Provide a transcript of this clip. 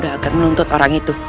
saya sudah akan menuntut orang itu